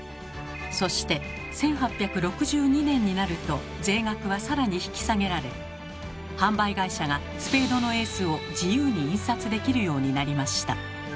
そして１８６２年になると税額はさらに引き下げられ販売会社がスペードのエースを自由に印刷できるようになりました。